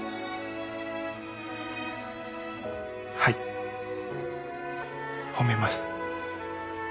はい褒めます。